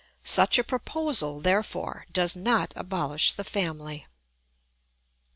Such a proposal, therefore, does not abolish the family.